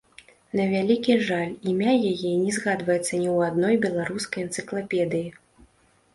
На вялікі жаль, імя яе не згадваецца ні ў адной беларускай энцыклапедыі.